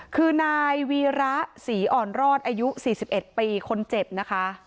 คือนายวีระศรีอ่อนรอดอายุ๔๑ปีคนเจ็บนะคะ